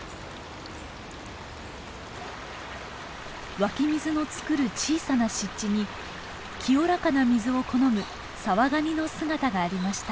湧き水のつくる小さな湿地に清らかな水を好むサワガニの姿がありました。